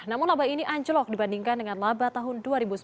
namun laba ini anjlok dibandingkan dengan laba tahun dua ribu sembilan belas